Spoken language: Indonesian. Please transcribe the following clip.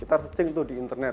kita searching tuh di internet